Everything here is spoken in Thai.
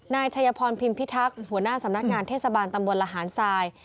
นายชัยพรพิมพิทักษ์หัวหน้าสำนักงานเทศบาลตำบลละหารทราย